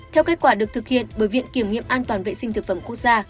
theo kết quả được thực hiện bởi viện kiểm nghiệm an toàn vệ sinh thực phẩm quốc gia